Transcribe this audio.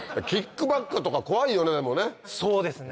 そうですね。